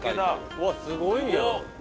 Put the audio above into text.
うわっすごいやん。